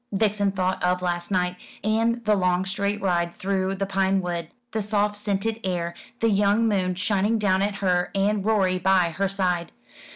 Vixen thought of last night, and the long straight ride through the pine wood, the soft scented air, the young moon shining down at her, and Rorie by her side.